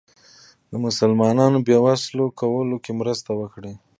د مسلمانانو بې وسلو کولو کې مرسته وکړي.